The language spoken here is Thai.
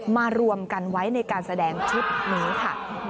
มารวมกันไว้ในการแสดงชุดนี้ค่ะ